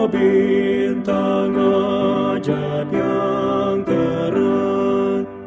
bintang ajat yang terang